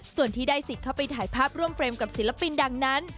ส่วนที่ได้สิทธิ์เข้าไปถ่ายภาพร่วมเฟรมกับศิลปินดังนั้น